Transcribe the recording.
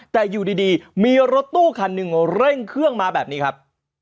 แต่อยู่ดีมีรถตู้คันหนึ่งเร่งเครื่องมาแบบนี้ครับ